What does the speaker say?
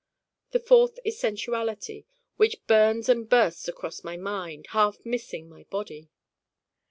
the fourth is Sensuality which burns and bursts across my Mind, half missing my Body.